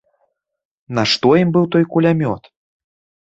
Нашто ім быў той кулямёт?